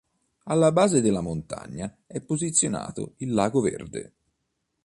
Alla base della montagna è posizionato il lago Verde.